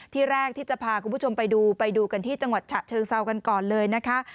ที่แรกที่จะพาคุณผู้ชมไปดูไปดูกันที่จังหวัดฉะเชิงเซากันก่อนเลยนะคะ